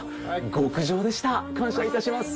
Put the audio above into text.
極上でした感謝いたします。